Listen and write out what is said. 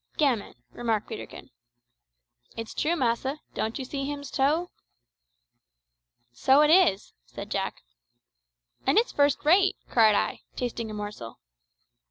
"Gammon," remarked Peterkin. "It's true, massa. Don't you see him's toe?" "So it is," said Jack. "And it's first rate," cried I, tasting a morsel.